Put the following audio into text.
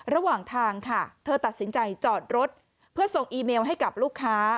ระหว่างทางค่ะเธอตัดสินใจจอดรถเพื่อส่งอีเมลให้กับลูกค้า